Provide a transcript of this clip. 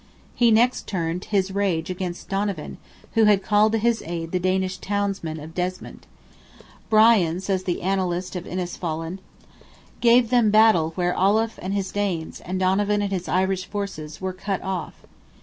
He next turned his rage against Donovan, who had called to his aid the Danish townsmen of Desmond. "Brian," says the Annalist of Innisfallen, "gave them battle where Auliffe and his Danes, and Donovan and his Irish forces, were all cut off."